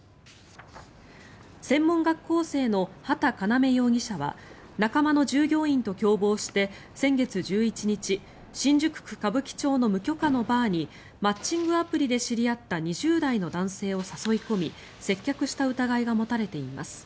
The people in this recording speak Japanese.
専門学校生の畠叶夢容疑者は仲間の従業員と共謀して先月１１日新宿区歌舞伎町の無許可のバーにマッチングアプリで知り合った２０代の男性を誘い込み接客した疑いが持たれています。